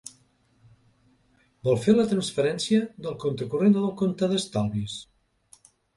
Vol fer la transferència del compte corrent o del compte d'estalvis?